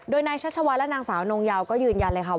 โดยนายชัชวัยแล้วนางสาวนงเยายืนยันเลยค่ะว่า